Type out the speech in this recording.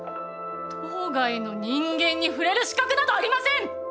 島外の人間に触れる資格などありません！